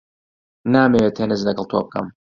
نامەوێت تێنس لەگەڵ تۆ بکەم.